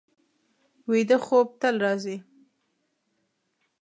ویده خوب تل راځي